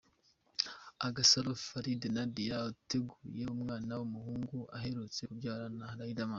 Agasaro Farid Nadia ateruye umwana w’umuhungu aherutse kubyarana na Riderman.